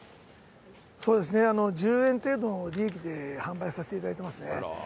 そうですね、１０円程度の利益で販売させていただいてますね。